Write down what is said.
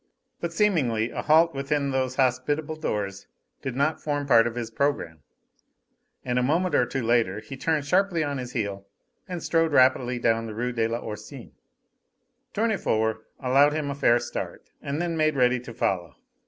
But seemingly a halt within those hospitable doors did not form part of his programme, and a moment or two later he turned sharply on his heel and strode rapidly down the Rue de l'Oursine. Tournefort allowed him a fair start, and then made ready to follow.